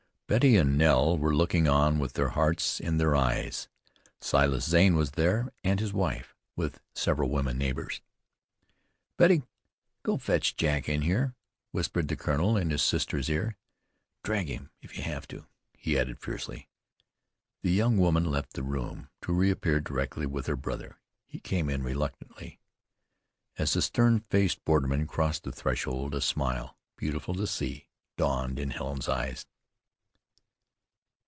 Betty and Nell were looking on with their hearts in their eyes. Silas Zane was there, and his wife, with several women neighbors. "Betty, go fetch Jack in here," whispered the colonel in his sister's ear. "Drag him, if you have to," he added fiercely. The young woman left the room, to reappear directly with her brother. He came in reluctantly. As the stern faced borderman crossed the threshold a smile, beautiful to see, dawned in Helen's eyes.